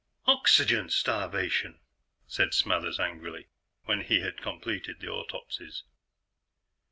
"Oxygen starvation," said Smathers angrily, when he had completed the autopsies.